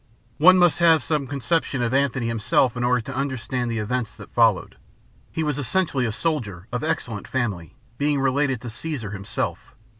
One must have some conception of Antony himself in order to understand the events that followed. He was essentially a soldier, of excellent family, being related to Caesar himself.